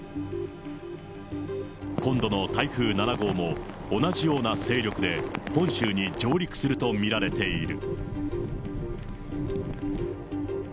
今度の台風７号も、同じような勢力で本州に上陸すると見られている。